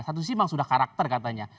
satu sisi memang sudah karakter katanya